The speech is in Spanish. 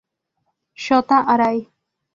Shota Arai